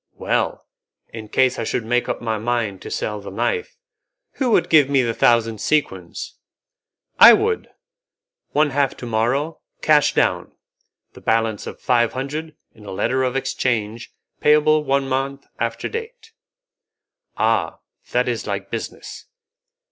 "Well! in case I should make up my mind to sell the knife, who would give me the thousand sequins?" "I would; one half to morrow, cash down; the balance of five hundred in a letter of exchange payable one month after date." "Ah! that is like business.